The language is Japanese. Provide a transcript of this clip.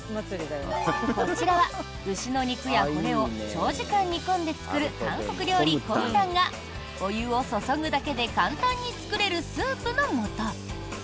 こちらは牛の肉や骨を長時間煮込んで作る韓国料理コムタンがお湯を注ぐだけで簡単に作れるスープのもと。